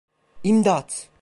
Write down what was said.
İmdat!